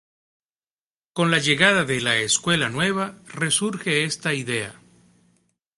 Con la llegada de la Escuela Nueva resurge esta idea.